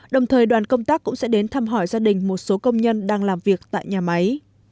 đồng thời đoàn công tác cũng sẽ đến thăm hỏi gia đình một số công nhân đang làm việc tại nhà máy